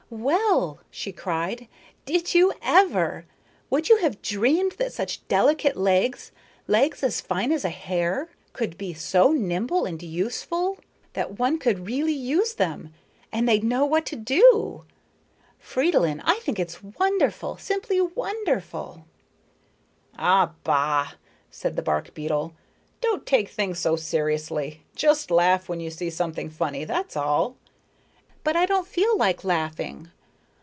"Well!" she cried. "Did you ever? Would you have dreamed that such delicate legs, legs as fine as a hair, could be so nimble and useful that one could really use them and they'd know what to do? Fridolin, I think it's wonderful, simply wonderful." "Ah, bah," said the bark beetle. "Don't take things so seriously. Just laugh when you see something funny; that's all." "But I don't feel like laughing.